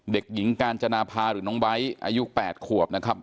เด็กหญิงกาญจนาภาหรือน้องไบท์อายุ๘ขวบนะครับ